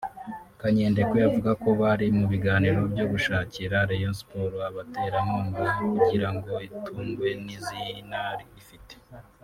Kanyendekwe avuga ko bari mu biganiro byo gushakira Rayon Sports abaterankunga kugira ngo itungwe n’izina ifite